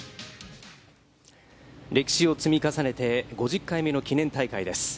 歴史を積み重ねて５０回目の記念大会です。